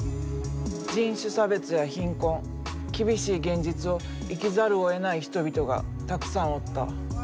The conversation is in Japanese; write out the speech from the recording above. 人種差別や貧困厳しい現実を生きざるをえない人々がたくさんおった。